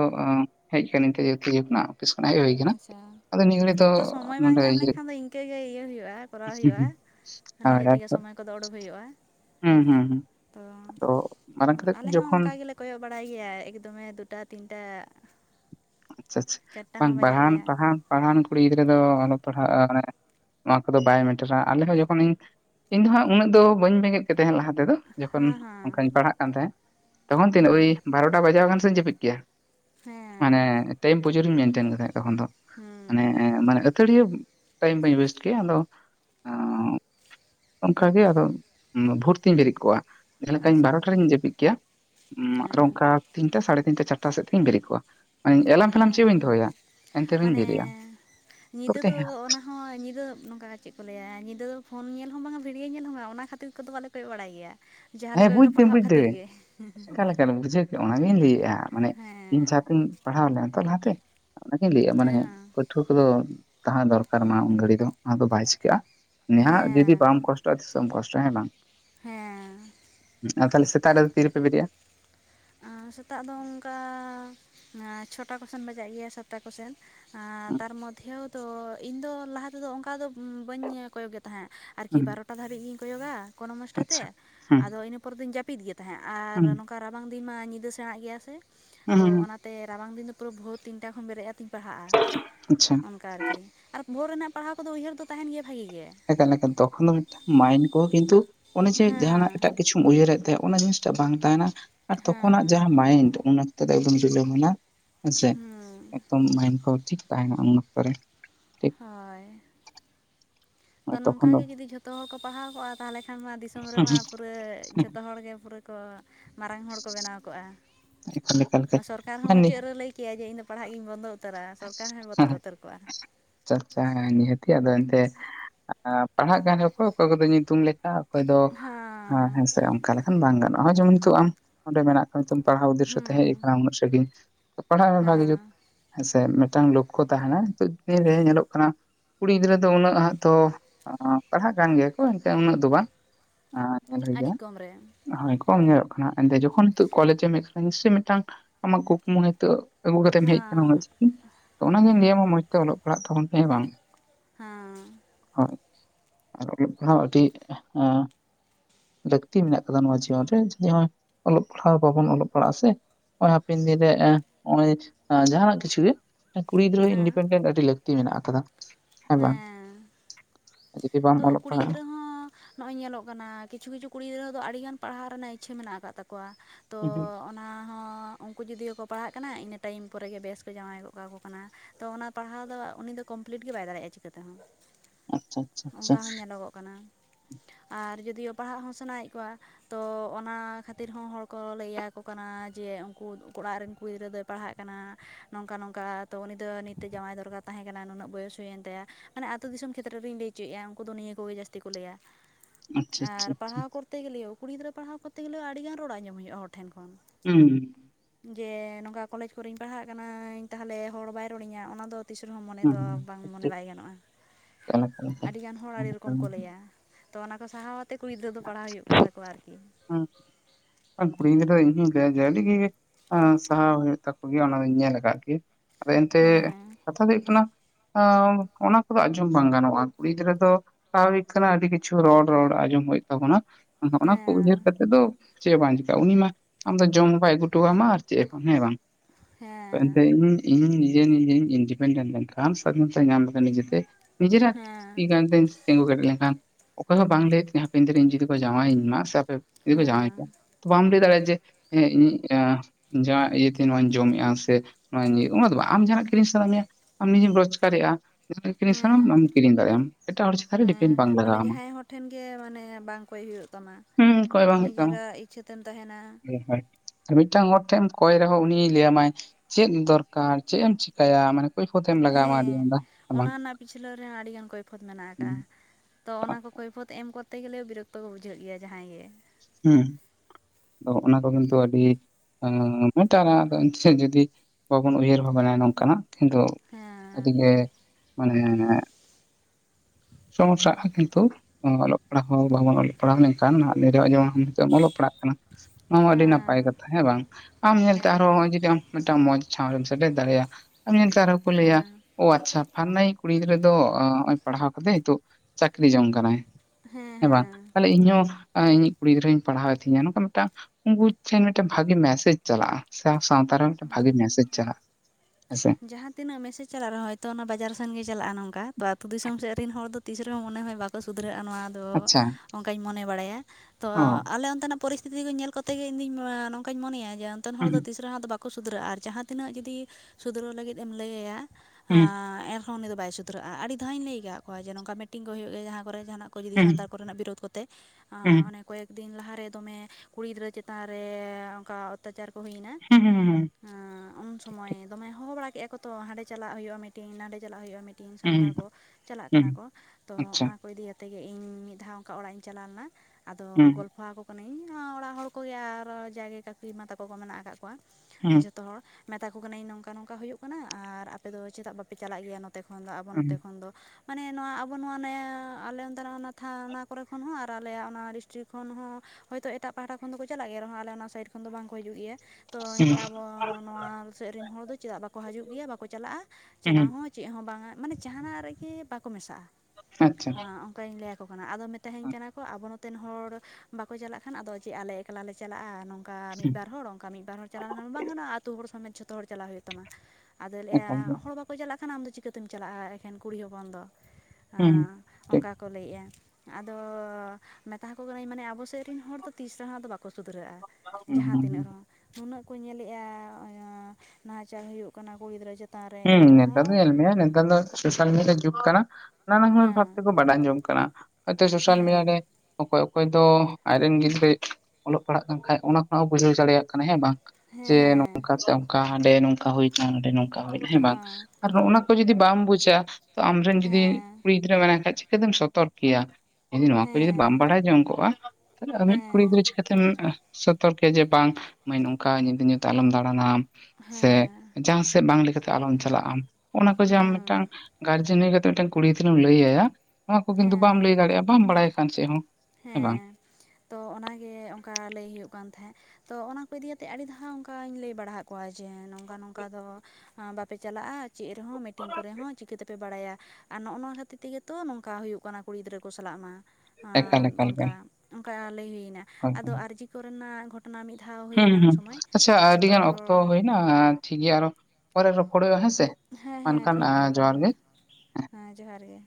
ᱦᱮᱡ ᱟᱠᱟᱱᱟᱹᱧ [unintelligible] ᱠᱷᱚᱱᱟᱜ ᱚᱯᱷᱤᱥ ᱠᱷᱚᱱᱟᱜ ᱦᱮᱡ ᱦᱩᱭ ᱠᱟᱱᱟ ᱟᱪᱪᱷᱟ ᱟᱫᱚ ᱱᱤᱭᱟᱹ ᱜᱷᱟᱹᱲᱤᱡ ᱫᱚ ᱛᱚ ᱥᱚᱢᱚᱭ ᱵᱟᱝ ᱱᱚᱸᱰᱮ ᱧᱟᱢ ᱤᱭᱟᱹ ᱦᱳᱭ ᱦᱳᱭ ᱞᱮᱱᱠᱷᱟᱱ ᱫᱚ ᱤᱱᱠᱟᱹ ᱜᱮ ᱤᱭᱟᱹ ᱦᱩᱭᱩᱜᱼᱟ ᱠᱚᱨᱟᱣ ᱦᱩᱭᱩᱜᱼᱟ ᱱᱤᱡᱮ ᱛᱮᱜᱮ ᱥᱚᱢᱚᱭ ᱠᱚᱫᱚ ᱳᱰᱳᱠ ᱦᱩᱭᱩᱜᱼᱟ ᱦᱩᱸ ᱦᱩᱸ ᱦᱩᱸ ᱛᱚ ᱟᱫᱚ ᱢᱟᱨᱟᱝ ᱩᱸ ᱠᱟᱛᱮ ᱟᱞᱮ ᱦᱚᱸ ᱡᱚᱠᱷᱚᱱ ᱚᱱᱠᱟ ᱜᱮᱞᱮ ᱠᱚᱭᱚᱜ ᱵᱟᱲᱟᱭ ᱜᱮᱭᱟ ᱮᱠᱫᱚᱢᱮ ᱫᱩᱴᱟ ᱛᱤᱱᱴᱟ ᱟᱪᱪᱷᱟ ᱟᱪᱪᱷᱟ ᱪᱟᱨᱴᱟ ᱵᱟᱝ ᱦᱚᱸ ᱵᱟᱡᱟᱜ ᱯᱟᱲᱦᱟᱣᱼᱟᱱ ᱜᱮᱭᱟ ᱯᱟᱲᱦᱟᱱ ᱯᱟᱲᱦᱟᱣᱼᱟᱱ ᱠᱩᱲᱤ ᱜᱤᱫᱽᱨᱟᱹ ᱫᱚ ᱚᱞᱚᱜ ᱯᱟᱲᱦᱟᱜ ᱢᱟᱱᱮ ᱱᱚᱣᱟ ᱠᱚᱫᱚ ᱵᱟᱭ ᱢᱮᱴᱟᱨᱟ ᱟᱞᱮ ᱦᱚᱸ ᱡᱚᱠᱷᱚᱱ ᱤᱧ ᱤᱧ ᱫᱚ ᱦᱟᱸᱜ ᱩᱱᱟᱹᱜ ᱫᱚ ᱵᱟᱹᱧ ᱵᱮᱸᱜᱮᱫ ᱠᱮᱫ ᱛᱟᱦᱮᱸᱫ ᱞᱟᱦᱟ ᱛᱮᱫᱚ ᱡᱚᱠᱷᱚᱱ ᱦᱮᱸ ᱦᱮᱸ ᱚᱱᱠᱟᱧ ᱯᱟᱲᱦᱟᱜ ᱠᱟᱱ ᱛᱟᱦᱮᱸᱫ ᱛᱚᱠᱷᱚᱱ ᱛᱤᱱᱟᱹᱜ ᱦᱮᱸ ᱳᱭ ᱵᱟᱨᱚᱴᱟ ᱵᱟᱡᱟᱣ ᱠᱷᱟᱱ ᱥᱮᱧ ᱡᱟᱹᱯᱤᱫ ᱠᱮᱜᱼᱟ ᱦᱮᱸ ᱢᱟᱱᱮ ᱴᱟᱭᱤᱢ ᱯᱚᱪᱩᱨ ᱤᱧ ᱢᱮᱱᱴᱮᱱ ᱜᱮ ᱛᱟᱦᱮᱸᱫ ᱛᱚᱠᱷᱚᱱ ᱫᱚ ᱦᱩᱸ ᱢᱟᱱᱮ ᱢᱟᱱᱮ ᱟᱹᱛᱷᱟᱹᱲᱤᱭᱟᱹ ᱴᱟᱭᱤᱢ ᱵᱟᱹᱧ ᱚᱭᱮᱥᱴ ᱜᱮᱭᱟ ᱟᱫᱚ ᱚᱸ ᱚᱱᱠᱟ ᱜᱮ ᱟᱫᱚ ᱵᱷᱳᱨ ᱛᱮᱧ ᱵᱤᱨᱤᱫ ᱠᱚᱜᱼᱟ ᱡᱮᱞᱮᱠᱟ ᱤᱧ ᱟᱪᱪᱷᱟ ᱵᱟᱨᱚᱴᱟ ᱨᱤᱧ ᱡᱟᱹᱯᱤᱫ ᱠᱮᱭᱟ ᱩᱸ ᱟᱨᱦᱚ ᱦᱮᱸ ᱚᱱᱠᱟ ᱛᱤᱱᱴᱟ ᱥᱟᱲᱮ ᱛᱤᱱᱴᱟ ᱪᱟᱨᱴᱟ ᱥᱮᱫ ᱛᱮᱧ ᱵᱮᱨᱮᱫ ᱠᱚᱜᱼᱟ ᱢᱟᱱᱮ ᱮᱞᱟᱢ ᱯᱷᱮᱞᱟᱢ ᱪᱮᱫ ᱦᱚᱸ ᱵᱟᱹᱧ ᱦᱮᱸ ᱫᱚᱦᱚᱭᱟ ᱮᱱᱛᱮ ᱨᱮᱦᱚᱸᱧ ᱢᱟᱱᱮ ᱵᱮᱨᱮᱫᱼᱟ [unintelligible] ᱚᱱᱟ ᱦᱚᱭ ᱧᱤᱸᱫᱟᱹ ᱫᱚ ᱱᱚᱝᱠᱟ ᱪᱮᱫ ᱠᱚ ᱞᱟᱹᱭᱟ ᱧᱤᱸᱫᱟᱹ ᱫᱚ ᱯᱷᱳᱱ ᱧᱮᱞ ᱦᱚᱸ ᱵᱟᱝᱼᱟ ᱵᱷᱤᱰᱭᱳ ᱧᱮᱞ ᱦᱚᱸ ᱵᱟᱝᱼᱟ ᱚᱱᱟ ᱠᱷᱟᱹᱛᱤᱨ ᱠᱚᱫᱚ ᱵᱟᱞᱮ ᱠᱚᱭᱚᱜ ᱵᱟᱲᱟᱭ ᱜᱮᱭᱟ ᱡᱟᱦᱟᱸ ᱞᱮ ᱠᱚᱭᱚᱜᱼᱟ ᱯᱟᱲᱦᱟᱣᱜ ᱠᱷᱟᱛᱤᱨ ᱜᱮ ᱛᱟᱦᱚᱞᱮ ᱵᱩᱡᱷᱟᱹᱣ ᱠᱮᱜᱼᱟᱢ ᱚᱱᱟ ᱜᱤᱧ ᱞᱟᱹᱭᱮᱜᱼᱟ ᱢᱟᱱᱮ ᱤᱧ ᱦᱮᱸ ᱡᱟᱦᱟᱸ ᱛᱤᱧ ᱯᱟᱲᱦᱟᱣ ᱞᱮᱱᱟ ᱛᱚ ᱞᱟᱦᱟ ᱛᱮ ᱚᱱᱟ ᱜᱤᱧ ᱞᱟᱹᱭᱮᱜᱼᱟ ᱢᱟᱱᱮ ᱦᱮᱸ ᱯᱟᱹᱴᱷᱩᱣᱟᱹ ᱠᱚᱫᱚ ᱛᱟᱦᱮᱸ ᱫᱚᱨᱠᱟᱨ ᱢᱟ ᱩᱱ ᱜᱷᱟᱹᱲᱤ ᱫᱚ ᱚᱱᱟ ᱫᱚ ᱵᱟᱭ ᱪᱤᱠᱟᱹᱜᱼᱟ ᱦᱮᱸ ᱱᱮᱦᱟᱜ ᱡᱩᱫᱤ ᱦᱮᱸ ᱵᱟᱢ ᱠᱚᱥᱴᱚᱜᱼᱟ ᱛᱤᱥᱚᱜ ᱮᱢ ᱠᱚᱥᱴᱚᱜᱼᱟ ᱦᱮᱸ ᱵᱟᱝ ᱦᱮᱸ ᱟᱨ ᱛᱟᱦᱚᱞᱮ ᱥᱮᱛᱟᱜ ᱨᱮᱫᱚ ᱛᱤ ᱨᱮᱯᱮ ᱵᱮᱨᱮᱫᱼᱟ ᱮᱻ ᱥᱮᱛᱟᱜ ᱫᱚ ᱚᱱᱠᱟ ᱮᱸ ᱪᱷᱚᱴᱟ ᱠᱚᱥᱮᱫ ᱵᱟᱡᱟᱜ ᱜᱮᱭᱟ ᱥᱟᱛᱴᱟ ᱠᱚ ᱥᱮᱫ ᱛᱟᱨ ᱢᱚᱫᱽᱫᱷᱮᱣᱳ ᱫᱚ ᱤᱧ ᱫᱚ ᱞᱟᱦᱟ ᱛᱮᱫᱚ ᱚᱱᱠᱟ ᱫᱚ ᱵᱟᱹᱧ ᱠᱚᱭᱚᱜ ᱜᱮ ᱛᱟᱦᱮᱸᱫ ᱟᱨᱠᱤ ᱵᱟᱨᱚᱴᱟ ᱫᱷᱟᱹᱵᱤᱡ ᱜᱤᱧ ᱠᱚᱭᱚᱜᱼᱟ ᱠᱚᱱᱚ ᱢᱚᱥᱴᱮ. ᱛᱮ ᱟᱪᱪᱷᱟ ᱦᱩᱸ ᱟᱫᱚ ᱤᱱᱟᱹ ᱯᱚᱨ ᱫᱩᱧ [unintelligible] ᱯᱤᱫ ᱜᱮ ᱛᱟᱦᱮᱸᱫ ᱟᱨ ᱦᱩᱸ ᱱᱚᱝᱠᱟ ᱨᱟᱵᱟᱝ ᱫᱤᱱ ᱢᱟ ᱧᱤᱸᱫᱟᱹ ᱥᱮᱬᱟᱜ ᱜᱮᱭᱟ ᱥᱮ ᱦᱩᱸ ᱛᱚ ᱦᱩᱸ ᱚᱱᱟ ᱛᱮ ᱨᱟᱵᱟᱝ ᱫᱤᱱ ᱫᱚ ᱯᱩᱨᱟᱹ ᱵᱷᱳᱨ ᱛᱤᱱᱴᱟ ᱠᱷᱚᱱ ᱵᱮᱨᱮᱫ ᱟᱛᱤᱧ ᱯᱟᱲᱦᱟᱜᱼᱟ ᱟᱪᱪᱷᱟ ᱚᱱᱠᱟ ᱟᱨᱠᱤ ᱟᱨ ᱵᱷᱳᱨ ᱨᱮᱱᱟᱜ ᱯᱟᱲᱦᱟᱣ ᱠᱚᱫᱚ ᱩᱭᱦᱟᱹᱨ ᱫᱚ ᱛᱟᱦᱮᱱ ᱜᱮᱭᱟ ᱵᱷᱟᱜᱤ ᱜᱮ ᱮᱠᱟᱞ ᱮᱠᱟᱞ ᱛᱚᱠᱷᱚᱱ ᱫᱚ ᱢᱤᱫ ᱴᱟᱝ ᱢᱟᱭᱤᱱᱰ ᱠᱚᱦᱚᱸ ᱠᱤᱱᱛᱩ ᱚᱱᱮ ᱡᱮ ᱡᱟᱦᱟᱱᱟᱜ ᱦᱮᱸ ᱮᱴᱟᱜ ᱠᱤᱪᱷᱩ ᱩᱭᱦᱟᱹᱨᱮᱫ ᱛᱟᱦᱮᱸᱫ ᱚᱱᱟ ᱡᱤᱱᱤᱥ ᱴᱟ ᱵᱟᱝ ᱛᱟᱦᱮᱱᱟ ᱟᱨ ᱦᱮᱸ ᱛᱚᱠᱷᱚᱱᱟᱜ ᱡᱟᱦᱟᱸ ᱢᱟᱭᱤᱱᱰ ᱚᱱᱟ ᱛᱮᱫᱚ ᱮᱠᱫᱚᱢ [unintelligible] ᱦᱮᱸᱥᱮ ᱦᱮᱸ ᱮᱠᱫᱚᱢ ᱢᱟᱭᱤᱱᱰ ᱠᱚᱦᱚᱸ ᱴᱷᱤᱠ ᱛᱟᱦᱮᱱᱟ ᱩᱱ ᱚᱠᱛᱚ ᱨᱮ ᱴᱷᱤᱠ ᱦᱳᱭ ᱛᱚ ᱱᱚᱝᱠᱟ ᱛᱚᱠᱷᱚᱱ ᱫᱚ ᱜᱮ ᱡᱩᱫᱤ ᱡᱷᱚᱛᱚ ᱦᱚᱲ ᱠᱚ ᱯᱟᱲᱦᱟᱣ ᱠᱚᱜᱼᱟ ᱛᱟᱦᱚᱞᱮ ᱠᱷᱟᱱ ᱢᱟ ᱫᱤᱥᱚᱢ ᱨᱮᱢᱟ ᱯᱩᱨᱟᱹ ᱡᱷᱚᱛᱚ ᱦᱚᱲ ᱜᱮ ᱯᱩᱨᱟᱹ ᱠᱚ ᱢᱟᱨᱟᱝ ᱦᱚᱲ ᱠᱚ ᱵᱮᱱᱟᱣ ᱠᱚᱜᱼᱟ ᱮᱠᱟᱞ ᱮᱠᱟᱞ ᱜᱮ ᱥᱚᱨᱠᱟᱨ ᱦᱚᱸ ᱢᱟᱱᱮ ᱢᱩᱪᱟᱹᱫ ᱨᱮ ᱞᱟᱹᱭ ᱠᱮᱭᱟᱭ ᱡᱮ ᱤᱧ ᱫᱚ ᱯᱟᱲᱦᱟᱜ ᱜᱮᱧ ᱵᱚᱱᱫᱚ ᱩᱛᱟᱹᱨᱟ ᱥᱚᱨᱠᱟᱨ ᱦᱚᱸᱭ ᱵᱚᱛᱚᱨ ᱩᱛᱟᱹᱨ ᱠᱚᱜᱼᱟ ᱟᱪᱪᱷᱟ ᱟᱪᱪᱷᱟ ᱦᱮᱸ ᱱᱤᱦᱟᱹᱛᱤ ᱟᱫᱚ ᱮᱱᱛᱮ ᱟ ᱯᱟᱲᱦᱟᱜ ᱠᱟᱱ ᱨᱮᱦᱚᱸ ᱠᱚ ᱚᱠᱚᱭ ᱠᱚᱫᱚ ᱧᱩᱛᱩᱢ ᱞᱮᱠᱟ ᱚᱠᱚᱭ ᱫᱚ ᱦᱮᱸ ᱦᱮᱸᱥᱮ ᱚᱱᱠᱟ ᱞᱮᱠᱷᱟᱱ ᱵᱟᱝ ᱜᱟᱱᱚᱜᱼᱟ ᱡᱮᱢᱚᱱ ᱱᱤᱛᱳᱜ ᱟᱢ ᱚᱸᱰᱮ ᱢᱮᱱᱟᱜ [unintelligible] ᱯᱟᱲᱦᱟᱣ ᱩᱫᱮᱥᱥᱚ ᱛᱮ ᱦᱮᱡ ᱦᱮᱸ ᱟᱠᱟᱱᱟᱢ ᱩᱱᱟᱹᱜ ᱥᱟᱺᱜᱤᱧ ᱛᱚ ᱯᱟᱲᱦᱟᱜ ᱢᱮ ᱵᱷᱟᱜᱤ ᱡᱩᱛ ᱦᱮᱸ ᱦᱮᱥᱮ ᱢᱤᱫ ᱴᱟᱝ ᱞᱚᱠᱠᱷᱚ ᱛᱟᱦᱮᱱᱟ ᱱᱤᱛᱚᱜ ᱫᱤᱱ ᱨᱮ ᱧᱮᱞᱚᱜ ᱠᱟᱱᱟ ᱠᱩᱲᱤ ᱜᱤᱫᱽᱨᱟᱹ ᱫᱚ ᱩᱱᱟᱹᱜ ᱦᱟᱸᱜ ᱛᱚ ᱯᱟᱲᱦᱟᱜ ᱠᱟᱱ ᱜᱮᱭᱟ ᱠᱚ ᱮᱱᱛᱮ ᱩᱱᱟᱹᱜ ᱫᱚ ᱵᱟᱝ ᱟᱨ ᱧᱮᱞ ᱦᱩᱭ ᱟᱹᱰᱤ ᱠᱚᱢ ᱨᱮ ᱜᱮᱭᱟ ᱦᱳᱭ ᱠᱚᱢ ᱧᱮᱞᱚᱜ ᱠᱟᱱᱟ ᱮᱱᱛᱮ ᱡᱚᱠᱷᱚᱱ ᱱᱤᱛᱚᱜ ᱠᱚᱞᱮᱡᱽ ᱮᱢ ᱦᱮᱡ [unintelligible] ᱱᱤᱥᱪᱳᱭ ᱢᱤᱫ ᱴᱟᱝ ᱟᱢᱟᱜ ᱠᱩᱠᱢᱩ ᱦᱤᱛᱳᱜ ᱟᱹᱜᱩ ᱠᱟᱛᱮᱢ ᱦᱮᱡ ᱟᱠᱟᱱᱟ ᱦᱮᱸ ᱩᱱᱟᱹᱜ [inaudible] ᱚᱱᱟ ᱜᱮᱧ ᱞᱟᱹᱭ ᱦᱮᱸ ᱟᱢᱟ ᱢᱚᱸᱡᱽ ᱛᱮ ᱚᱞᱚᱜ ᱯᱟᱲᱦᱟᱜ ᱛᱟᱵᱚᱱ ᱯᱮ ᱦᱮᱸ ᱵᱟᱝ ᱦᱮᱸ ᱦᱳᱭ ᱟᱨ ᱚᱞᱚᱜ ᱯᱟᱲᱦᱟᱣ ᱟᱹᱰᱤ ᱮᱸ ᱞᱟᱹᱠᱛᱤ ᱢᱮᱱᱟᱜ ᱟᱠᱟᱫᱟ ᱱᱚᱣᱟ ᱡᱤᱭᱚᱱ ᱨᱮ ᱡᱮ ᱱᱚᱜᱼᱚᱭ ᱚᱞᱚᱜ ᱯᱟᱲᱦᱟᱣ ᱵᱟᱵᱚᱱ ᱚᱞᱚᱜ ᱯᱟᱲᱦᱟᱜᱼᱟ ᱥᱮ ᱦᱚᱜᱼᱚᱭ ᱦᱟᱯᱮᱱ ᱫᱤᱱ ᱨᱮ ᱮᱸ ᱦᱚᱜᱼᱚᱭ ᱡᱟᱦᱟᱱᱟᱜ ᱮᱸ ᱡᱟᱦᱟᱱᱟᱜ ᱠᱤᱪᱷᱩ ᱜᱮ ᱠᱩᱲᱤ ᱜᱤᱫᱽᱨᱟᱹ ᱦᱮᱸ ᱤᱱᱰᱤᱯᱮᱱᱰᱮᱱᱴ ᱟᱹᱰᱤ ᱞᱟᱹᱠ ᱛᱤ ᱢᱮᱱᱟᱜ ᱟᱠᱟᱫᱟ ᱦᱮᱸ ᱵᱟᱝ ᱡᱩᱫᱤ ᱵᱟᱢ ᱛᱚ ᱚᱞᱚᱜ ᱠᱩᱲᱤ ᱯᱟᱲᱦᱟᱜᱼᱟ ᱜᱤᱫᱽᱨᱟᱹ ᱦᱚᱸ ᱱᱚᱜᱼᱚᱭ ᱧᱮᱞᱚᱜ ᱠᱟᱱᱟ ᱠᱤᱪᱷᱩ ᱠᱤᱪᱷᱩ ᱠᱩᱲᱤ ᱜᱤᱫᱽᱨᱟᱹ ᱫᱚ ᱟᱹᱰᱤ ᱜᱟᱱ ᱯᱟᱲᱦᱟᱣ ᱨᱮᱱᱟᱜ ᱤᱪᱪᱷᱟᱹ ᱢᱮᱱᱟᱜ ᱠᱟᱜ ᱛᱟᱠᱚᱣᱟ ᱛᱚ ᱚᱱᱟ ᱦᱚᱸ ᱩᱱᱠᱩ ᱡᱩᱫᱤᱠᱚ ᱯᱟᱲᱦᱟᱜ ᱠᱟᱱᱟ ᱤᱱᱟᱹ ᱴᱟᱭᱤᱢ ᱯᱚᱨᱮ ᱜᱮ ᱵᱮᱥ ᱠᱚ ᱡᱟᱶᱟᱭ ᱜᱜ ᱠᱟᱠᱚ ᱠᱟᱱᱟ ᱛᱚ ᱚᱱᱟ ᱯᱟᱲᱦᱟᱣ ᱫᱚ ᱩᱱᱤ ᱫᱚ ᱠᱚᱢᱯᱞᱤᱴ ᱜᱮ ᱵᱟᱭ ᱫᱟᱲᱮᱭᱟᱜᱼᱟ ᱪᱤᱠᱟᱹᱛᱮᱦᱚᱸ ᱟᱪᱪᱷᱟ ᱟᱪᱪᱷᱟ ᱚᱱᱠᱟ ᱦᱚᱸ ᱧᱮᱞᱚᱜᱚᱜ ᱠᱟᱱᱟ ᱟᱨ ᱡᱫᱤᱭᱳ ᱯᱟᱲᱦᱟᱜ ᱦᱚᱸ ᱥᱟᱱᱟᱭᱮᱫ ᱠᱚᱣᱟ ᱛᱚ ᱚᱱᱟ ᱠᱷᱟᱹᱛᱤᱨ ᱦᱚᱸ ᱦᱚᱲ ᱠᱚ ᱞᱟᱹᱭᱟᱠᱚ ᱠᱟᱱᱟ ᱡᱮ ᱩᱱᱠᱩ ᱚᱲᱟᱜ ᱨᱮᱱ ᱠᱩᱲᱤ ᱜᱤᱫᱽᱨᱟᱹ ᱫᱚᱭ ᱯᱟᱲᱦᱟᱜ [unintelligible] ᱠᱟᱱᱟᱣᱟ ᱱᱚᱝᱠᱟ ᱱᱚᱝᱠᱟ ᱛᱚ ᱩᱱᱤ ᱫᱚ ᱱᱤᱛᱛᱮ ᱡᱟᱶᱟᱭ ᱫᱚᱨᱠᱟᱨ ᱛᱟᱦᱮᱸ ᱠᱟᱱᱟ ᱱᱩᱱᱟᱹᱜ ᱵᱚᱭᱚᱥ ᱦᱩᱭᱮᱱ ᱛᱟᱭᱟ ᱢᱟᱱᱮ ᱟ ᱟᱹᱛᱩᱳ ᱫᱤᱥᱚᱢ ᱠᱷᱮᱛᱨᱮ ᱨᱧ ᱞᱟᱹᱭᱪᱚᱭᱮᱫᱼᱟ ᱩᱱᱠᱩ ᱫᱚ ᱱᱤᱭᱟᱹ ᱠᱚᱜᱮ ᱡᱟᱹᱥᱛᱤ ᱠᱚ ᱞᱟᱹᱭᱟ ᱟᱪᱪᱷᱟ ᱟᱨ ᱟᱪᱪᱷᱟ ᱟᱪᱪᱷᱟ ᱯᱟᱲᱦᱟᱣ ᱠᱚᱨᱛᱮ ᱠᱚᱛᱮ ᱜᱮᱞᱮᱳ ᱠᱩᱲᱤ ᱜᱤᱫᱽᱨᱟᱹ ᱯᱟᱲᱦᱟᱣ ᱠᱚᱛᱮ ᱜᱮᱞᱮᱳ ᱟᱹᱰᱤ ᱜᱟᱱ ᱨᱚᱲᱟ ᱟᱡᱚᱢ ᱦᱩᱭᱩᱜᱼᱟ ᱦᱚᱲ ᱴᱷᱮᱱ ᱠᱷᱚᱱ ᱦᱩᱸ ᱡᱮ ᱱᱚᱝᱠᱟ ᱠᱚᱞᱮᱡᱽ ᱠᱚᱨᱮᱧ ᱯᱟᱲᱦᱟᱜ ᱠᱟᱱᱟᱹᱧ ᱛᱟᱦᱚᱞᱮ ᱦᱚᱲ ᱵᱟᱭ ᱨᱚᱲᱤᱧᱟ ᱚᱱᱟ ᱫᱚ ᱛᱤᱥ ᱨᱮᱦᱚᱸ ᱢᱚᱱᱮ ᱫᱚ ᱵᱟᱝ ᱢᱚᱱᱮ ᱵᱟᱭ ᱜᱟᱱᱚᱜᱼᱟ [unintelligible] ᱠᱟᱱᱟ ᱟᱹᱰᱤ ᱜᱟᱱ ᱦᱚᱲ ᱟᱹᱰᱤ ᱨᱚᱠᱚᱢ ᱠᱚ ᱞᱟᱹᱭᱟ ᱛᱚ ᱚᱱᱟ ᱠᱚ ᱥᱟᱦᱟᱳᱣᱟᱛᱮ ᱠᱩᱲᱤ ᱜᱤᱫᱽᱨᱟᱹ ᱫᱚ ᱯᱟᱲᱦᱟᱣ ᱦᱩᱭᱩᱜ ᱠᱟᱱ ᱛᱟᱠᱚᱣᱟ ᱟᱨᱠᱤ ᱦ ᱠᱩᱲᱤ ᱜᱤᱫᱽᱨᱟᱹ ᱫᱚ ᱤᱧ ᱦᱚᱧ ᱞᱟᱹᱭᱟ ᱡᱮ ᱟᱹᱰᱤᱜᱮ ᱥᱟᱦᱟᱣ ᱦᱩᱭᱩᱜ ᱛᱟᱠᱚ ᱜᱮᱭᱟ ᱚᱱᱟ ᱫᱚᱧ ᱧᱮᱞ ᱟᱠᱟᱫ ᱜᱮᱭᱟ ᱟᱫᱚ ᱮᱱᱛᱮᱜ ᱦᱮᱸ ᱠᱟᱛᱷᱟ ᱫᱚ ᱦᱩᱭᱩᱜ ᱠᱟᱱᱟ [unintelligible] ᱚᱱᱟ ᱠᱚᱫᱚ ᱟᱸᱡᱚᱢ ᱵᱟᱝ ᱜᱟᱱᱚᱜᱼᱟ ᱠᱩᱲᱤ ᱜᱤᱫᱽᱨᱟᱹ ᱫᱚ [unintelligible] ᱥᱟᱵᱷᱟᱵᱤᱠ ᱠᱟᱱᱟ ᱟᱹᱰᱤ ᱠᱤᱪᱷᱩ ᱨᱚᱲ ᱨᱚᱲ ᱟᱸᱡᱚᱢ ᱦᱩᱭᱩᱜ ᱛᱟᱵᱚᱱᱟ [unintelligible] ᱵᱟᱝᱠᱷᱟᱱ ᱚᱱᱟ ᱦᱮᱸ ᱟᱫᱚ ᱪᱮᱫ ᱦᱚᱸ ᱵᱟᱝ ᱪᱮᱠᱟᱹᱜᱼᱟ ᱩᱱᱤ ᱢᱟ ᱟᱢᱫᱚ ᱡᱚᱢ ᱦᱚᱸ ᱵᱟᱭ ᱟᱹᱜᱩᱴᱚ ᱟᱢᱟ ᱟᱨ ᱪᱮᱫ ᱦᱮᱸ ᱵᱟᱝ ᱦᱮᱸ ᱮᱱᱛᱮ ᱤᱧ ᱤᱧ ᱱᱤᱡᱮ ᱱᱤᱡᱮᱧ ᱤᱱᱰᱤᱯᱮᱱᱰᱮᱱᱴ ᱞᱮᱱᱠᱷᱟᱱ ᱥᱟᱫᱷᱤᱱᱚᱛᱟᱧ ᱧᱟᱢ ᱞᱮᱫᱟ ᱱᱤᱡᱮᱛᱮ᱾ ᱱᱤᱡᱮ ᱨᱟ ᱦᱮᱸ ᱛᱤ ᱠᱟᱱ ᱛᱮ᱾ ᱛᱤᱸᱜᱩ ᱠᱮᱴᱮᱡ ᱞᱮᱱᱠᱷᱟᱱ ᱚᱠᱚᱭ ᱦᱚᱸ ᱵᱟᱝ ᱞᱟᱹᱭ ᱛᱤᱧᱟᱹ ᱦᱟᱯᱮᱱᱤᱱ ᱫᱤᱱ ᱤᱧ ᱡᱩᱫᱤ ᱠᱚ ᱡᱟᱶᱟᱭ ᱤᱧ ᱢᱟ ᱥᱮ ᱟᱯᱮ ᱡᱩᱫᱤ ᱠᱚᱟᱶᱟᱭ ᱦᱮᱸ ᱯᱮᱭᱟ᱾ ᱵᱟᱢ ᱞᱟᱹᱭ ᱫᱟᱲᱮᱭᱟᱜᱼᱟ ᱡᱮ ᱦᱮᱸ ᱤᱧᱤᱡ ᱡᱟᱦᱟᱸ ᱤᱭᱟᱹᱛᱮ ᱱᱚᱣᱟᱧ ᱡᱚᱢᱮᱜᱼᱟ ᱥᱮ ᱱᱚᱣᱟᱧ ᱚᱱᱟ ᱫᱚ ᱵᱟᱝ ᱟᱢ ᱡᱟᱦᱟᱱᱟᱜ ᱠᱤᱨᱤᱧ ᱥᱟᱱᱟ ᱢᱮᱭᱟ ᱟᱢ ᱱᱤᱡᱮᱢ ᱨᱳᱡᱽᱜᱟᱨᱮᱜᱼᱟ ᱡᱟᱦᱟ ᱠᱤᱨᱤᱧ ᱥᱟᱱᱟᱢ ᱟᱢ ᱦᱮᱸ ᱠᱤᱨᱤᱧ ᱫᱟᱲᱮᱭᱟᱜᱼᱟ ᱮᱴᱟᱜ ᱦᱚᱲ ᱪᱮᱛᱟᱱ ᱨᱮ ᱦᱮᱸ ᱰᱤᱯᱮᱱᱰ ᱵᱟᱝ ᱢᱟᱱᱮ ᱞᱟᱜᱟᱣᱣᱟᱢᱟ᱾ ᱡᱟᱦᱟᱸᱭ ᱦᱚᱲ ᱴᱷᱮᱱ ᱜᱮ ᱢᱟᱱᱮ ᱵᱟᱝ ᱠᱚᱭ ᱦᱩᱭᱩᱜ ᱛᱟᱢᱟ ᱦᱩᱸ ᱠᱚᱭ ᱵᱟᱝ ᱦᱩᱭᱩᱜ ᱛᱟᱢᱟ ᱱᱤᱡᱮᱨᱟᱜ ᱤᱪᱪᱷᱟᱹ ᱛᱮᱢ ᱛᱟᱦᱮᱱᱟ᱾ [unintelligible] ᱟᱨ ᱢᱤᱫᱴᱟᱝ ᱦᱚᱲ ᱴᱷᱮᱱ ᱮᱢ ᱠᱚᱭ ᱨᱮᱦᱚᱸ ᱩᱱᱤ ᱞᱟᱹᱭ ᱟᱟᱢᱟᱭ ᱪᱮᱫ ᱫᱚᱨᱠᱟᱨ ᱪᱮᱫ ᱮᱢ ᱪᱮᱤᱠᱟᱭᱭᱟ ᱢᱟᱱᱮ᱾ ᱠᱳᱭᱯᱷᱚᱛᱮᱢ ᱞᱟᱜᱟᱣᱟᱢᱟ ᱟᱹᱰᱤ ᱦᱮᱸ ᱟᱢᱫᱟ ᱚᱱᱟ ᱵᱟᱝ ᱨᱮᱱᱟᱜ ᱯᱤᱪᱷᱞᱟᱹ ᱨᱮᱦᱚᱸ ᱟᱹᱰᱤᱜᱟᱱ ᱠᱭᱯᱷᱚᱛ ᱢᱮᱱᱟᱜ ᱟᱠᱟᱟᱜᱼᱟ᱾ ᱛᱚ ᱚᱱᱟ ᱠᱚ ᱠᱷᱚᱭᱯᱷᱚᱛ ᱮᱢ ᱠᱚᱨᱛᱮ ᱜᱮᱞᱮ ᱵᱤᱨᱚᱠᱛᱚ ᱠᱚ ᱵᱩᱡᱷᱟᱹᱜ ᱜᱮᱭᱟ ᱡᱟᱦᱟᱸᱭ ᱜᱮ᱾ ᱦᱩᱸᱫᱚ ᱚᱱᱟ ᱠᱚ ᱠᱤᱱᱛᱩ ᱟᱹᱰᱤ ᱢᱮᱴᱟᱝ ᱟᱫᱚ ᱮᱷᱮᱫ ᱡᱩᱫᱤ ᱵᱟᱵᱚᱱ ᱩᱭᱦᱟᱹᱨ ᱵᱷᱟᱵᱱᱟ ᱱᱚᱝᱠᱟᱱᱟᱜ᱾ ᱠᱤᱱᱛᱩ ᱦᱮᱸ ᱟᱹᱰᱤᱞᱮ ᱢᱟᱱᱮ ᱥᱚᱢᱚᱥᱥᱟᱜᱼᱟ ᱠᱤᱱᱛᱩ ᱚᱞᱚᱜ ᱯᱟᱲᱦᱟᱜ ᱦᱚᱸ ᱵᱟᱵᱚᱱ ᱚᱞᱚᱜ ᱯᱟᱲᱦᱟᱣ ᱞᱮᱱᱠᱷᱟᱱ ᱱᱟᱦᱟᱜ ᱫ ᱨᱮᱭᱟᱜ ᱡᱮᱢᱚᱱ ᱚᱞᱚᱜ ᱯᱟᱲᱦᱟᱜ ᱠᱟᱱᱟ ᱱᱚᱣᱟ ᱦᱚᱸ ᱟᱹᱰᱤ ᱦᱮᱸ ᱱᱟᱯᱟᱭ ᱠᱟᱛᱷᱟ ᱦᱮᱸ ᱵᱟᱝ ᱟᱢ ᱧᱮᱞᱛᱮ ᱟᱨᱦᱚᱸ ᱦᱮᱸ ᱱᱚᱭ ᱡᱚᱫᱤ ᱟᱢ ᱢᱤᱫᱴᱟᱝ ᱢᱚᱸᱡᱽ ᱴᱷᱟᱶ ᱨᱮᱢ ᱥᱮᱴᱮᱨ ᱫᱟᱲᱮᱭᱟᱜᱼᱟ ᱟᱢ ᱧᱮᱞᱛᱮ ᱟᱨᱚᱸ ᱠᱚ ᱞᱟᱹᱭᱟ ᱦᱮᱸ ᱚ ᱟᱪᱪᱷᱟ ᱯᱷᱟᱨᱱᱟᱭᱤ ᱠᱩᱲᱤ ᱜᱤᱫᱽᱨᱟᱹ ᱫᱚ ᱱᱚᱜᱭ ᱯᱟᱲᱦᱟᱣ ᱠᱟᱛᱮ ᱱᱤᱛᱚᱜ ᱪᱟᱹᱠᱨᱤ ᱡᱚᱝ ᱠᱟᱱᱟᱭ ᱦᱮᱸ ᱵᱟᱝ ᱛᱟᱦᱞᱮ ᱤᱧᱦᱚᱸ ᱤᱧᱤᱡ ᱠᱩᱲᱤ ᱜᱤᱫᱽᱨᱟᱹ ᱯᱟᱲᱦᱟᱣᱮᱫᱤᱧᱟᱹ ᱱᱚᱝᱠᱟ ᱢᱤᱫᱴᱟᱝ ᱩᱱᱠᱩ ᱴᱷᱮᱱ ᱢᱤᱫᱴᱟᱝ ᱵᱷᱟᱜᱤ ᱢᱮᱥᱮᱡᱽ ᱪᱟᱞᱟᱜᱼᱟ ᱥᱮ ᱥᱟᱶᱛᱟ ᱨᱮ ᱢᱤᱫᱴᱮᱱ ᱵᱷᱟᱜᱤ ᱢᱮᱥᱮᱡᱽ ᱪᱟᱞᱟᱜᱼᱟ ᱦᱮᱸᱥᱮ᱾ ᱡᱟᱦᱟᱸ ᱛᱤᱱᱟᱹᱜ ᱢᱮᱥᱮᱡ ᱪᱟᱞᱟᱜ ᱨᱮᱦ ᱦᱚᱳᱭᱛᱚ ᱚᱱᱟ ᱵᱟᱡᱟᱨ ᱥᱮᱱ ᱜᱮ ᱪᱟᱞᱟᱜᱼᱟ ᱱᱚᱝᱠᱟ ᱛᱚ ᱟ ᱟᱹᱛᱩ ᱫᱤᱥᱚᱢ ᱥᱮᱫ ᱨᱤᱱ ᱦᱚᱲ ᱫᱚ ᱛᱤᱥ ᱨᱮᱦᱚᱸ ᱢᱚᱱᱮ ᱦᱚᱭ ᱵᱟᱠᱚ ᱥᱩᱫᱷᱨᱟᱹᱜᱼᱟ ᱱᱚᱣᱟ ᱫᱚ ᱟᱪᱪᱷᱟ ᱚᱱᱠᱟᱧ ᱢᱚᱱᱮ ᱵᱟᱲᱟᱭᱟ ᱛᱚ ᱚ ᱟᱞᱮ ᱚᱱᱛᱮᱱᱟᱜ ᱯᱚᱨᱤᱥᱛᱷᱤᱛᱤ ᱠᱚ ᱧᱮᱞ ᱠᱟᱛᱮᱜ ᱜᱮ ᱤᱧ ᱱᱚᱝᱠᱟᱧ ᱢᱚᱱᱮᱭᱟ ᱡᱮ ᱚᱱᱛᱮᱱ ᱦᱚᱲ ᱦᱩᱸ ᱫᱚ ᱛᱤᱥᱥ ᱨᱮᱟᱜ ᱟᱫᱚ ᱵᱟᱠᱚ ᱵᱟᱠᱚ ᱥᱩᱫᱷᱨᱟᱹᱜᱼᱟ ᱟᱨ ᱡᱟᱦᱟᱸ ᱛᱤᱱᱟᱹᱜ ᱡᱩᱫᱤ ᱥᱩᱫᱷᱨᱟᱹᱣ ᱞᱟᱹᱜᱤᱫ ᱮᱢ ᱞᱟᱹᱭᱟ ᱦᱩᱸ ᱷᱟ ᱮᱱ ᱩᱱᱤᱤᱫ ᱫᱚ ᱵᱟᱭ ᱥᱩᱫᱟᱹᱨᱟᱹᱜᱼᱟ ᱟᱹᱰᱤ ᱫᱷᱟᱣᱧ ᱞᱟᱹᱭ ᱟᱠᱟᱫ ᱠᱚᱣᱟ ᱡᱮ ᱱᱚᱝᱠᱟ ᱢᱤᱴᱤᱝ ᱠᱚ ᱦᱩᱭᱩᱜ ᱜᱮ ᱡᱟᱦᱟᱸ ᱠᱚᱨᱮ ᱡᱟᱦᱟᱱᱟᱜ ᱠᱚ᱾ ᱠᱚ ᱡᱩᱫᱤ ᱦᱩᱸ ᱥᱟᱱᱛᱟᱲ ᱠᱚᱨᱮᱱᱟᱜ ᱵᱤᱨᱳᱫ ᱠᱚᱛᱮ ᱦᱩᱸ ᱚᱱᱮ ᱠᱚᱭᱮ ᱫᱤᱱ ᱞᱟᱦᱟᱨᱮ ᱫᱚᱢᱮ ᱠᱩᱲᱤ ᱜᱤᱫᱽᱨᱟᱹ ᱪᱮᱛᱟᱱ ᱨᱮ ᱚᱱᱠᱟ ᱚᱛᱛᱟᱪᱟᱨ ᱠᱚ ᱦᱩᱭᱱᱟ᱾ ᱦᱩᱸ ᱦᱩᱸ ᱦᱩᱸ ᱦᱟ ᱩᱱ ᱴᱷᱤᱠ ᱥᱚᱢᱚᱭ ᱫᱚᱢᱮ ᱦᱚᱦᱚ ᱵᱟᱲᱟ ᱠᱮᱫᱼᱟ ᱠᱚ ᱛᱚ ᱦᱟᱸᱰᱮ ᱪᱟᱞᱟᱜ ᱦᱩᱭᱩᱜᱼᱟ ᱢᱤᱴᱤᱱ ᱱᱟᱰᱮ ᱪᱟᱞᱟᱜ ᱦᱩᱭᱩᱜᱼᱟ ᱢᱤᱴᱤᱱ ᱠᱤᱱ ᱥᱟᱱᱛᱟᱲ ᱦᱩᱸ ᱠᱚ ᱪᱟᱞᱟᱜ ᱦᱩᱸ ᱠᱟᱱᱟ ᱠᱚ ᱛᱚ ᱟᱪᱪᱷᱟ ᱚᱱᱟ ᱠᱚ ᱤᱫᱤᱭᱟᱛ ᱛᱮᱜᱮ ᱤᱧ ᱢᱤᱫ ᱫᱷᱟᱣ ᱚᱱᱠᱟ ᱚᱲᱟᱜ ᱤᱧ ᱪᱟᱞᱟᱣ ᱞᱮᱱᱟ ᱟᱫᱚ ᱦᱩᱸ ᱜᱚᱞᱯᱷᱚ ᱟᱠᱚ ᱠᱟᱧ ᱚᱲᱟᱜ ᱦᱚᱲ ᱠᱚᱜᱮ ᱟᱨ ᱡᱟᱜᱮ ᱠᱟᱠᱩ ᱮ ᱛᱟᱠᱚ ᱠᱚ ᱢᱮᱱᱟᱜ ᱟᱠᱟᱫ ᱠᱚᱣᱟ ᱡᱚᱛᱚ ᱦᱩᱸ ᱡᱚᱛᱚ ᱦᱚᱲ ᱢᱮᱛᱟ ᱠᱚ ᱠᱟᱹᱱᱟᱹᱧ ᱱᱚᱝᱠᱟ ᱱᱚᱝᱠᱟ ᱦᱩᱭᱩᱜ ᱠᱟᱱᱟ ᱟᱨ ᱟᱯᱮ ᱫᱚ ᱪᱮᱫᱟᱜ ᱵᱟᱯᱮ ᱪᱟᱞᱟᱜ ᱜᱮᱭᱟ᱾ ᱱᱚᱛᱮ ᱠᱷᱚᱱ ᱫᱚ ᱟᱵᱚ ᱦᱩᱸ ᱱᱚᱛᱮ ᱠᱷᱚᱱ ᱫᱚ᱾ ᱢᱟᱱᱮ ᱱᱚᱣᱟ ᱟᱵᱚ ᱱᱚᱣᱟ ᱱᱭᱟ ᱟᱞᱮ ᱚᱱᱛᱮᱱᱟᱜ ᱚᱱᱟ ᱛᱟᱱᱟ ᱠᱚᱨᱮ ᱠᱷᱚᱱ ᱦᱚᱸ ᱟᱨ ᱟᱞᱮᱭᱟᱜ ᱚᱱᱟ ᱰᱤᱥᱴᱤᱠ ᱠᱷᱚᱱ ᱦᱚᱸᱚᱸ᱾ ᱦᱳᱭᱛᱳ ᱮᱴᱟᱜ ᱯᱟᱦᱴᱟ ᱠᱷᱚᱱ ᱫᱚᱠᱚ ᱪᱟᱞᱟᱜ ᱜᱮᱭᱟ ᱨᱮᱦᱚᱸ ᱟᱞᱮ ᱚᱱᱟ ᱥᱟᱭᱤᱴ ᱠᱷᱚᱱ ᱫᱚ ᱵᱟᱝᱠᱚ ᱦᱤᱡᱩᱜ ᱜᱮᱭᱟ᱾ ᱛᱚ ᱦᱩᱸ ᱞᱟᱹᱭᱮᱫᱼᱟ ᱟᱵᱚ ᱱᱚᱣᱟ ᱥᱮᱫ ᱨᱮᱱ ᱦᱚᱲ ᱫᱚ ᱪᱮᱫᱟᱜ ᱵᱟᱠᱚ ᱦᱤᱡᱩᱜ ᱜᱮᱭᱟ ᱵᱟᱠᱚ ᱪᱟᱞᱟᱜᱼᱟ ᱦᱩᱸ ᱪᱟᱞᱟᱣ ᱦᱚᱸ᱾ ᱪᱮᱫ ᱦᱚᱸ ᱵᱟᱝᱟ ᱢᱟᱱᱮ ᱡᱟᱦᱟᱱᱟᱜ ᱨᱮᱜᱮ ᱵᱟᱠᱚ ᱢᱮᱥᱟᱜᱼᱟ ᱟᱪᱪᱷᱟ ᱚᱱᱠᱟᱧ ᱞᱟᱹᱭᱟᱠᱚ ᱠᱟᱱᱟ ᱟᱫᱚ᱾ ᱛᱮᱦᱮᱧ ᱠᱟᱱᱟ ᱠᱚ ᱟᱵᱚ ᱱᱚᱛᱮᱱ ᱦᱚᱲ ᱵᱟᱠᱚ ᱪᱟᱞᱟᱜ ᱠᱷᱟᱱ ᱟᱫᱚ ᱪᱮᱫ ᱟᱞᱮ ᱮᱠᱮᱞᱟ ᱞᱮ ᱪᱟᱞᱟᱜᱼᱟ ᱱᱚᱝᱠᱟ ᱢᱤᱫ ᱦᱩᱸ ᱵᱟᱨ ᱦᱚᱲ ᱚᱱᱠᱟ ᱢᱤᱫ ᱵᱟᱨ ᱦᱚᱲ ᱪᱟᱞᱟᱣ ᱞᱮᱠᱷᱟᱱ ᱵᱟᱝ ᱜᱟᱱᱚᱼᱟ ᱟᱹᱛᱩᱳ ᱦᱚᱲ ᱥᱚᱢᱮᱛ ᱡᱚᱛᱚ ᱦᱚᱲ ᱪᱟᱞᱟᱣ ᱦᱩᱭᱩᱜᱼᱟ᱾ ᱛᱟᱢᱟ ᱟᱫᱚᱭ ᱞᱟᱹᱭᱼᱟ ᱮᱠᱟᱞ ᱜᱮ ᱦᱚᱲ ᱵᱟᱠᱚ ᱪᱟᱞᱟᱜ ᱠᱷᱟᱱ ᱟᱢᱫᱚ ᱪᱤᱠᱟᱹᱛᱮᱢ ᱪᱟᱞᱟᱜᱼᱟ ᱮᱠᱷᱮᱱ ᱠᱩᱲᱤ ᱦᱚᱯᱚᱱ ᱫᱚ᱾ ᱦᱮᱸ ᱟᱸ ᱚᱱᱠᱟ ᱠᱚ ᱞᱟᱹᱭᱮᱜᱼᱟ ᱟᱫᱚ ᱢᱮᱛᱟᱠᱚ ᱠᱟᱹᱱᱟᱹᱧ ᱢᱟᱱᱮ ᱟᱵᱚ ᱥᱮᱫ ᱨᱮᱱ ᱦᱚᱲ ᱫᱚ ᱛᱤᱥ ᱨᱮᱦᱚᱸ ᱟᱫᱚ ᱠᱚ ᱥᱩᱫᱷᱨᱟᱹᱜᱼᱟ ᱡᱟᱦᱟᱸ ᱛᱤᱱᱟᱹᱜ ᱨᱮᱦᱚᱸ ᱱᱩᱱᱟᱹᱜ ᱠᱚ ᱧᱮᱞᱮᱜᱼᱟ᱾ ᱱᱟᱦᱟᱪᱟᱨ ᱦᱩᱭᱩᱜ ᱠᱟᱱᱟ ᱠᱩᱲᱤ ᱜᱤᱫᱽᱨᱟᱹ ᱪᱮᱛᱟᱱ ᱨᱮ ᱦᱮᱸ ᱮᱱ ᱱᱮᱛᱟᱨ ᱨᱮᱦᱚᱸ ᱫᱚ ᱧᱮᱞ ᱢᱤᱭᱟᱭ ᱱᱮᱛᱟᱨ ᱫᱚ᱾ ᱥᱳᱥᱟᱞ ᱢᱤᱰᱤᱭᱟ ᱨᱮ ᱡᱩᱜᱽ ᱠᱟᱱᱟ ᱱᱟᱱᱟᱦᱩᱱᱟᱨ ᱦᱮᱸ ᱵᱷᱟᱵ ᱛᱮᱠᱚ ᱵᱟᱰᱟᱭ ᱟᱡᱚᱝ ᱠᱟᱱᱟ ᱦᱚᱭᱛᱳ ᱥᱳᱥᱟᱞ ᱢᱤᱰᱤᱭᱟ ᱦᱮᱸ ᱨᱮ᱾ ᱚᱠᱚᱭ ᱚᱠᱚᱭ ᱫᱚ ᱟᱡᱨᱮᱱ ᱜᱤᱫᱽᱨᱟᱹᱭ ᱚᱞᱚᱜ ᱯᱟᱲᱦᱟᱜ ᱠᱟᱱ ᱠᱷᱟᱡ ᱚᱱᱟ ᱠᱷᱚᱱᱟᱜ ᱦᱚᱸ ᱵᱩᱡᱷᱟᱹᱣ ᱫᱟᱲᱮᱭᱟᱜ? ᱠᱟᱱᱟ ᱦᱮᱸ ᱵᱟᱝ᱾ ᱦᱮᱸ ᱡᱮ ᱦᱮᱸ ᱱᱚᱝᱠᱟ ᱥᱮ ᱝᱠᱟ ᱦᱟᱸᱰᱮ ᱱᱚᱝᱠᱟ ᱦᱩᱭ ᱠᱟᱱᱟ ᱱᱟᱰᱮ ᱱᱚᱝᱠᱟ ᱦᱩᱭᱱᱟ ᱦᱮᱸ ᱵᱟᱝ ᱟᱨ ᱱᱚᱜᱼ ᱱᱟ᱾ ᱡᱩᱫᱤ ᱵᱟᱢ ᱵᱩᱡᱟ ᱛᱚ ᱟᱢᱨᱮᱱ ᱡᱩᱫᱤ ᱦᱮᱸ ᱠᱩᱲᱤ ᱜᱤᱫᱽᱨᱟᱹ ᱢᱮᱱᱟᱭ ᱠᱷᱟᱡ ᱪᱤᱠᱟᱹᱛᱮᱢ ᱥᱚᱛᱚᱨᱠᱮᱭᱟ ᱡᱩᱫᱤ ᱱᱚᱣᱟ ᱠᱚ ᱡᱩᱫᱤ ᱦᱮᱸ ᱵᱟᱢ ᱵᱟᱲᱟᱭ ᱡᱚᱝ ᱠᱚᱜᱼᱟ ᱛᱟᱞᱦᱮ ᱟᱢ ᱨᱮᱱ ᱠᱩᱲᱤ ᱜᱤᱫᱽᱨᱟᱹ ᱦᱮᱸ ᱪᱤᱠᱟᱛᱮᱢ ᱡᱮ ᱵᱟᱝ ᱢᱟᱹᱭ ᱱᱚᱝᱠᱟ ᱧᱤᱫᱟᱹ ᱧᱩᱛ ᱟᱞᱚᱢ ᱫᱟᱬᱟᱱᱟᱢ ᱥᱮ ᱦᱮᱸ ᱡᱟᱦᱟᱸ ᱥᱮᱫ ᱵᱟᱝ ᱞᱟᱹᱭ ᱠᱟᱛᱮ ᱟᱞᱚᱢ ᱪᱟᱞᱟᱜ ᱟᱢ ᱚᱱᱟ ᱠᱚ ᱡᱮ ᱟᱢ ᱢᱤᱫᱴᱟᱝ ᱦᱩᱸ ᱜᱟᱨᱡᱮᱱ ᱦᱩᱭ ᱠᱟᱛᱮ ᱢᱤᱫᱟᱝ ᱠᱩᱲᱤ ᱜᱤᱫᱽᱨᱟᱹ ᱮᱢ ᱞᱟᱹᱭ ᱟᱭᱟ ᱚᱱᱟ ᱠᱚ ᱠᱤᱱᱛᱩ ᱵᱟᱢ ᱞᱟᱹᱭ ᱦᱮᱸ ᱫᱟᱲᱮᱭᱟᱜᱼᱟ ᱵᱟᱢ ᱵᱟᱲᱟᱭ ᱠᱷᱟᱱ ᱪᱮᱫ ᱦᱚᱸ ᱦᱮᱸ ᱵᱟᱝ ᱛᱚ ᱚᱱᱟ ᱜᱮ ᱚᱱᱠᱟ ᱞᱟᱹᱭ ᱦᱩᱭᱩᱜ ᱠᱟᱱ ᱛᱟᱦᱮᱸᱜ ᱛᱚ ᱚᱱᱟ ᱠᱚ ᱤᱫᱤ ᱠᱟᱛᱮᱜ ᱟᱹᱰᱤ ᱫᱷᱟᱟ ᱚᱱᱠᱟᱧ ᱞᱟᱹᱭ ᱵᱟᱲᱟ ᱦᱟᱫ ᱠᱚᱣᱟ ᱡᱮ ᱱᱚᱝᱠᱟ ᱱᱚᱝᱠᱟ ᱫᱚ ᱵᱟᱯᱮ ᱪᱟᱞᱟᱜᱼᱟ ᱪᱮᱫ ᱨᱮᱦᱚᱸ ᱢᱤᱴᱤᱝ ᱠᱚᱨᱮ ᱦᱚᱸ ᱪᱤᱠᱟᱹ ᱛᱮᱯᱮ ᱵᱟᱲᱟᱭᱟ ᱟᱨ ᱱᱚᱜᱼᱚ ᱱᱚᱣᱟ ᱠᱷᱟᱹᱛᱤᱨ ᱛᱮᱜᱮ ᱛᱚ ᱱᱚᱝᱠᱟ ᱦᱩᱭᱩᱜ ᱠᱟᱱᱟ ᱠᱩᱲᱤ ᱜᱤᱫᱽᱨᱟᱹ ᱠᱚ ᱥᱟᱞᱟᱜ ᱢᱟ ᱮᱠᱟᱞ ᱮᱠᱟᱞ ᱜᱮ ᱚᱱᱠᱟ ᱚᱱᱠᱟ ᱞᱟᱹᱭ ᱦᱩᱭᱮᱱᱟ ᱦᱳᱭ ᱟᱫᱚ ᱦᱳᱭ ᱟᱨᱡᱤ ᱠᱚᱨᱮᱱᱟᱜ ᱜᱷᱚᱴᱱᱟ ᱚᱱᱟ ᱢᱤᱫ ᱫᱷᱟᱣ ᱦᱩᱭᱱᱟ ᱩᱱ ᱥᱚᱢᱚᱭ ᱟᱫᱚ ᱡᱷᱚᱛᱚ ᱦᱚᱲ ᱚᱱᱟ ᱴᱷᱤᱠᱜ ᱜᱮᱭᱟ ᱟᱨ ᱯᱚᱨᱮ ᱨᱚᱯᱚᱲ ᱦᱩᱭᱩ-ᱟ ᱦᱮᱸ ᱥᱮ ᱦᱮᱸ ᱦᱮᱸ ᱴᱷᱤᱠ ᱜᱮᱭᱟ ᱛᱟᱦᱚᱞᱮ ᱦᱮᱸ ᱡᱚᱦᱟᱨ ᱜᱮ